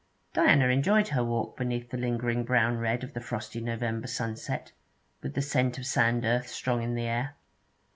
Diana enjoyed her walk beneath the lingering brown red of the frosty November sunset, with the scent of sand earth strong in the air.